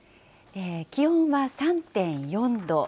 気温は３．４度。